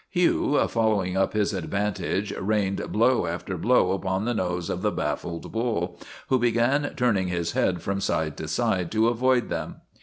Hugh, following up his advantage, rained blow after blow upon the nose of the baffled bull, who began turning his head from side to side to avoid them.